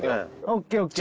ＯＫＯＫ！